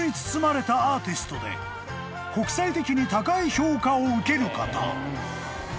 ［国際的に高い評価を受ける方］